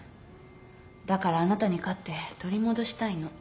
だからあなたに勝って取り戻したいの。